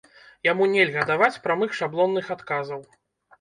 Яму нельга даваць прамых шаблонных адказаў.